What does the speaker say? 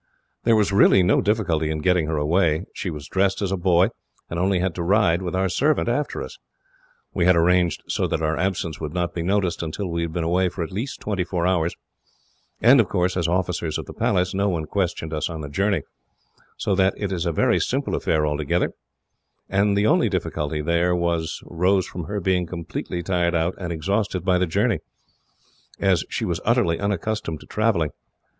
"There was really no difficulty in getting her away. She was dressed as a boy, and only had to ride, with our servant, after us. We had arranged so that our absence would not be noticed, until we had been away for at least twenty four hours, and of course, as officers of the Palace, no one questioned us on the journey, so that it is a very simple affair altogether, and the only difficulty there was, rose from her being completely tired out and exhausted by the journey, as she was utterly unaccustomed to travelling.